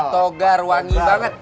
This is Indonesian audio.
pak togar wangi banget